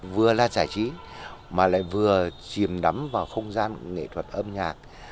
vừa là giải trí mà lại vừa chìm đắm vào không gian nghệ thuật âm nhạc